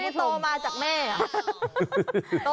อ้าวไม่ได้โตมาจากแม่หรอ